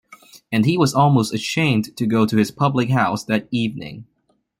And he was almost ashamed to go to his public-house that evening.